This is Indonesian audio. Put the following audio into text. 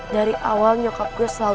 dari awal nyokap lo cinta sama om raymond